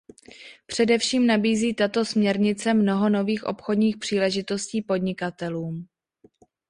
Především nabízí tato směrnice mnoho nových obchodních příležitostí podnikatelům.